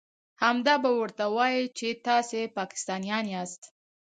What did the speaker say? همدا به ورته وايئ چې تاسې پاکستانيان ياست.